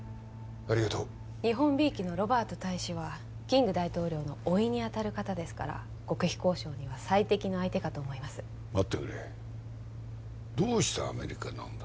ありがとう日本びいきのロバート大使はキング大統領の甥にあたる方ですから極秘交渉には最適の相手かと思います待ってくれどうしてアメリカなんだ？